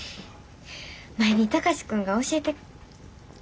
前に貴司君が教えて。